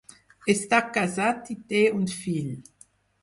Està casat i té un fill.